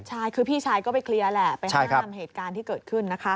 ใช่คือพี่ชายก็ไปเคลียร์แหละไปห้ามเกิดขึ้นนะคะ